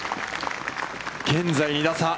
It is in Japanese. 現在２打差。